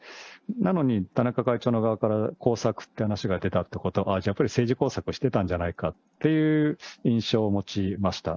なのに、田中会長の側から、工作って話が出たということは、じゃあやっぱり、政治工作してたんじゃないかっていう印象を持ちました。